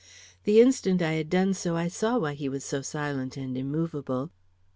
The instant I had done so I saw why he was so silent and immovable.